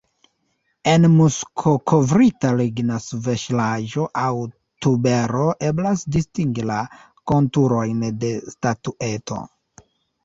En muskokovrita ligna ŝvelaĵo aŭ tubero eblas distingi la konturojn de statueto.